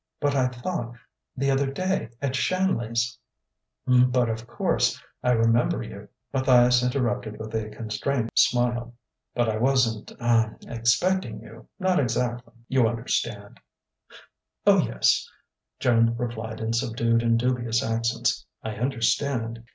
"But I thought the other day at Shanley's " "But of course I remember you," Matthias interrupted with a constrained smile. "But I wasn't ah expecting you not exactly you understand." "Oh, yes," Joan replied in subdued and dubious accents "I understand."